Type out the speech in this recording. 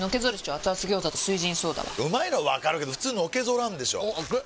アツアツ餃子と「翠ジンソーダ」はうまいのはわかるけどフツーのけぞらんでしょアツ！